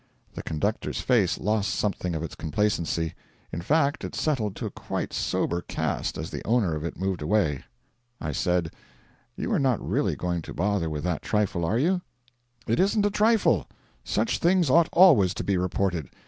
The conductor's face lost something of its complacency; in fact, it settled to a quite sober cast as the owner of it moved away. I said: 'You are not really going to bother with that trifle, are you?' 'It isn't a trifle. Such things ought always to be reported.